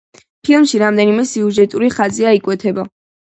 ფილმში რამდენიმე სიუჟეტური ხაზია იკვეთება.